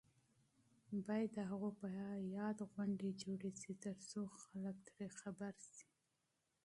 باید د هغوی په یاد غونډې جوړې شي ترڅو خلک ترې خبر شي.